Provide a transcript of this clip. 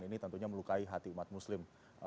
ini tentunya melukai hati umat muslim